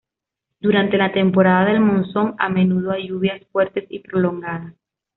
Durante la temporada del monzón a menudo hay lluvias fuertes y prolongadas.